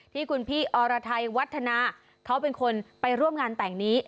ที่คุณพี่อรไทยวัฒนาเขาเป็นคนไปร่วมงานแต่งนี้